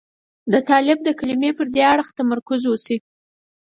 د طالب د کلمې پر دې اړخ تمرکز وشي.